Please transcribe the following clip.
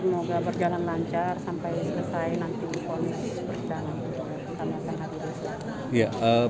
semoga berjalan lancar sampai selesai nanti kondisi berjalan